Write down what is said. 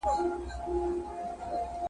ولي لېواله انسان د مستحق سړي په پرتله ښه ځلېږي؟